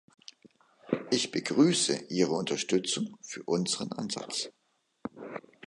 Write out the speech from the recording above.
Ich begrüße Ihre Unterstützung für unseren Ansatz.